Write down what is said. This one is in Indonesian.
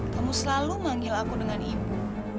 kamu selalu manggil aku dengan ibu